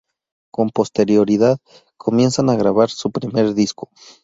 Con posterioridad comienzan a grabar su primer disco.